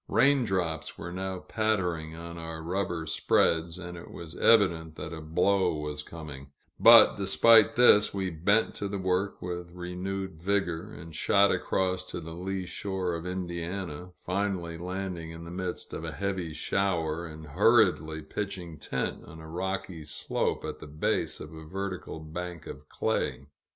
Rain drops were now pattering on our rubber spreads, and it was evident that a blow was coming; but despite this, we bent to the work with renewed vigor, and shot across to the lee shore of Indiana finally landing in the midst of a heavy shower, and hurriedly pitching tent on a rocky slope at the base of a vertical bank of clay.